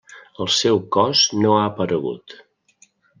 El seu cos no ha aparegut.